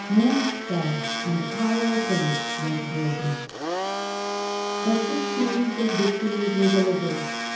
Mons fell, and the power of France was broken. But this series of victories was over.